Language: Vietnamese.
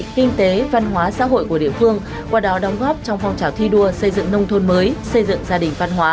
kinh tế văn hóa xã hội của địa phương qua đó đóng góp trong phong trào thi đua xây dựng nông thôn mới